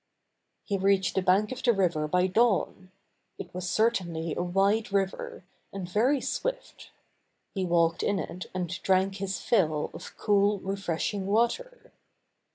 He reached the bank of the river by dawn. It was certainly a wide river, and very swift. He walked in it and drank his fill of cool, re freshing water.